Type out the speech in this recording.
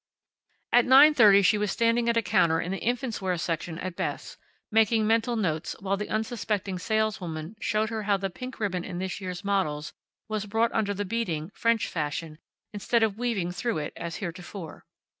At nine thirty she was standing at a counter in the infants' wear section at Best's, making mental notes while the unsuspecting saleswoman showed her how the pink ribbon in this year's models was brought under the beading, French fashion, instead of weaving through it, as heretofore.